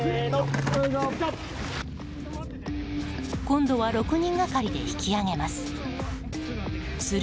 今度は６人がかりで引き揚げます。